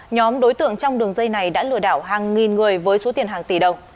nhóm đối tượng trong đường dây này đã lừa đảo hàng nghìn người với số tiền hàng tỷ đồng